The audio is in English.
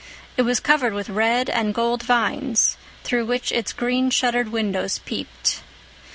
It was covered with red and gold vines, through which its green shuttered windows peeped.